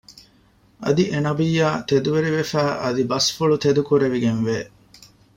އަދި އެ ނަބިއްޔާ ތެދުވެރިވެފައި އަދި ބަސްފުޅު ތެދު ކުރެވިގެންވޭ